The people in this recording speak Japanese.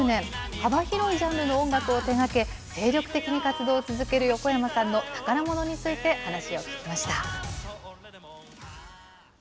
幅広いジャンルの音楽を手がけ、精力的に活動を続ける横山さんの宝ものについて、話を聞きました。